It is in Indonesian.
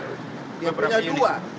dia punya dua